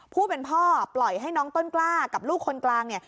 ผู้เป็นพ่อปล่อยให้น้องต้นกล้ากับลูกคนกลางเนี่ย